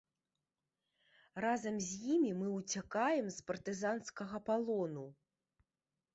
Разам з ім мы ўцякаем з партызанскага палону.